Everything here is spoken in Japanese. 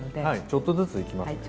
ちょっとずついきますね。